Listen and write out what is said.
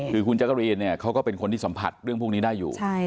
คือคุณจักรีนเนี่ยเขาก็เป็นคนที่สัมผัสเรื่องพวกนี้ได้อยู่